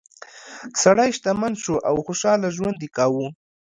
سړی شتمن شو او خوشحاله ژوند یې کاوه.